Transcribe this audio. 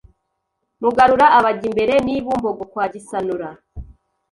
Mugarura abajya imbere n’i Bumbogo kwa Gisanura